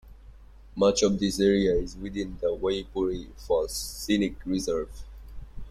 Much of this area is within the Waipori Falls Scenic Reserve.